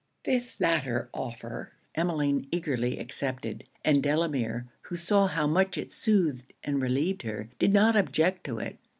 This latter offer, Emmeline eagerly accepted; and Delamere, who saw how much it soothed and relieved her, did not object to it.